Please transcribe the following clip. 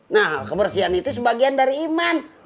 nah kebersihan itu sebagian dari iman